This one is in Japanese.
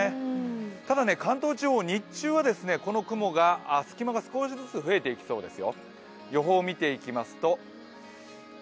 ただ、関東地方、日中はこの雲が隙間が少しずつ増えていきそうです。